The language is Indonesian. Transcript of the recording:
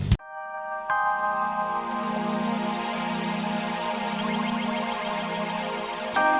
coba katakan prosik brains sosial